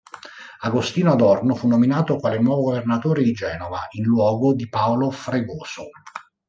Agostino Adorno fu nominato quale nuovo governatore di Genova in luogo di Paolo Fregoso.